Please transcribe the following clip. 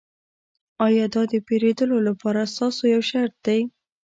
ایا دا د پیرودلو لپاره ستاسو یو شرط دی